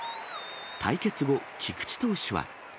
対決後、菊池投手は。